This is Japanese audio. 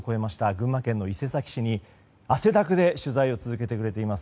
群馬県伊勢崎市に汗だくで取材を続けてくれています